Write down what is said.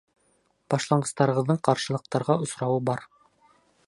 Башланғыстарығыҙҙың ҡаршылыҡтарға осрауы бар.